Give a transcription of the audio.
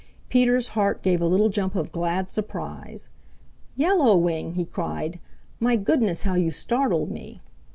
Peter's heart gave a little jump of glad surprise. "Yellow Wing!" he cried. "My goodness, how you startled me!"